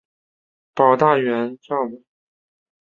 保大元年撰文。